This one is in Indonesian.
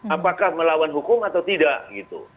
apakah melawan hukum atau tidak gitu